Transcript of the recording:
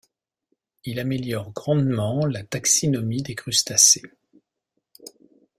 Il améliore grandement la taxinomie des crustacés.